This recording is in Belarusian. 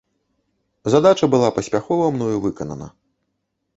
Задача была паспяхова мною выканана.